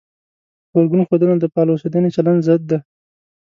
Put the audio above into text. غبرګون ښودنه د فعال اوسېدنې چلند ضد دی.